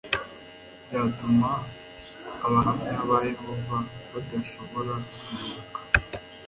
byatuma abahamya ba yehova badashobora kuyoboka